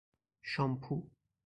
شامپو